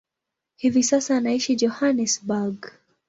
Hivi sasa anaishi Johannesburg.